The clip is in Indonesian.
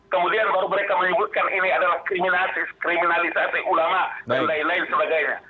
kemudian baru mereka menyebutkan ini adalah kriminasi kriminalisasi ulama dan lain lain sebagainya